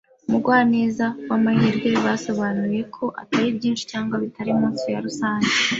"Umugwaneza w'amahirwe" basobanuye neza ko atari byinshi cyangwa bitari munsi ya rusange